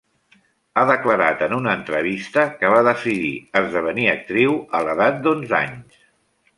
Ha declarat en una entrevista que va decidir esdevenir actriu a l'edat d'onze anys.